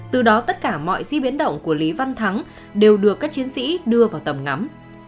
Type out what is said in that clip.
từ đó tất cả mọi di biến động của lý văn thắng đều được các chiến sĩ đưa vào tầm ngắm